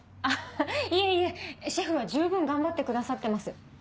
あっいえいえシェフは十分頑張ってくださってます。